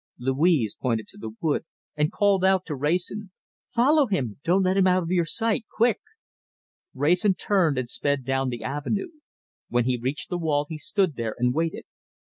Louise pointed to the wood and called out to Wrayson: "Follow him! Don't let him out of your sight! Quick!" Wrayson turned and sped down the avenue. When he reached the wall, he stood there and waited.